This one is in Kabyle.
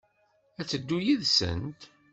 Ad teddu yid-sent?